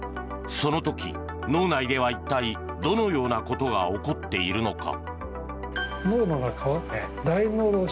その時、脳内では一体どのようなことが起こっているのか。